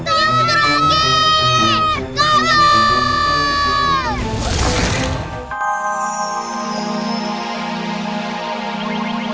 ali hantu yang benar lagi